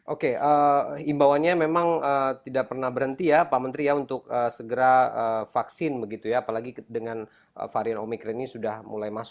oke imbauannya memang tidak pernah berhenti ya pak menteri ya untuk segera vaksin begitu ya apalagi dengan varian omikron ini sudah mulai masuk